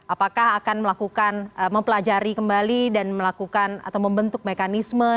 apakah akan melakukan mempelajari kembali dan melakukan atau membentuk mekanisme